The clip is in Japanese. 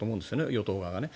与党側がね。